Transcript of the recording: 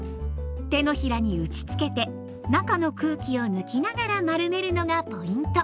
手のひらに打ちつけて中の空気を抜きながら丸めるのがポイント。